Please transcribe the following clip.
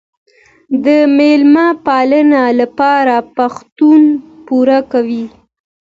د میلمه پالنې لپاره پښتون پور کوي.